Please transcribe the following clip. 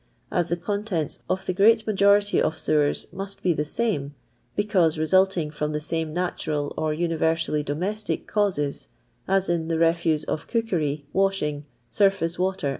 As the con tents of the great majority of sewers muai be the same, because resulting from the same natural or universally domestic causes (as in the refuse of cookery, washing, surfiice water, &c.)